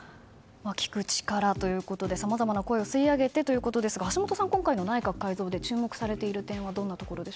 聞く力ということでさまざまな声を吸い上げてということですが橋下さん、今回の内閣改造で注目されている点は？